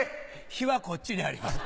非はこっちにあります。